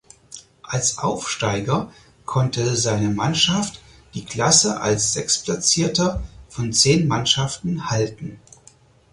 Als Aufsteiger konnte seine Mannschaft die Klasse als Sechstplatzierter von zehn Mannschaften halten.